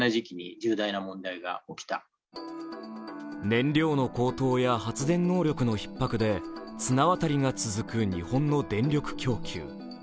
燃料の高騰や発電能力のひっ迫で綱渡りが続く日本の電力供給。